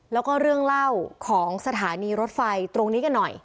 แล้วก็เรื่องเล่าของสถานีรถไฟตรงนี้กันหน่อย